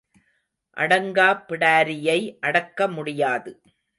அடங்காப் பிடாரியை அடக்க முடியாது.